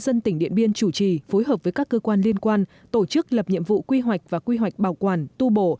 dân tỉnh điện biên chủ trì phối hợp với các cơ quan liên quan tổ chức lập nhiệm vụ quy hoạch và quy hoạch bảo quản tu bổ